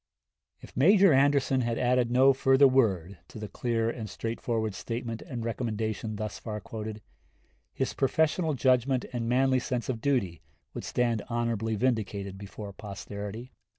If Major Anderson had added no further word to the clear and straightforward statement and recommendation thus far quoted, his professional judgment and manly sense of duty would stand honorably vindicated before posterity.